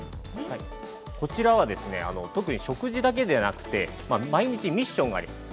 こちらは、特に食事だけではなくて、毎日、ミッションがあります。